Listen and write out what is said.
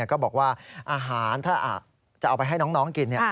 ก็บอกว่าอาหารถ้าจะเอาไปให้น้องกิน